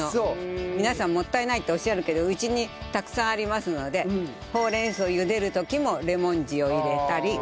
皆さんもったいないっておっしゃるけどうちにたくさんありますのでほうれん草をゆでる時もレモン塩を入れたり。